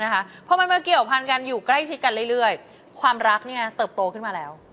นะคะเพราะว่ามันมาเกี่ยวพันกันอยู่ใกล้ชิดกันเรื่อยความรักเนี่ยเติบโตขึ้นมาแล้ว